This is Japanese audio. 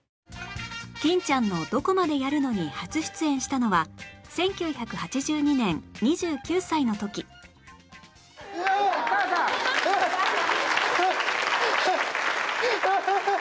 『欽ちゃんのどこまでやるの！』に初出演したのは１９８２年２９歳の時ハハハッハハハッ！